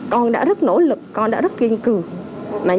con đã rất nỗ lực con đã rất kiên cường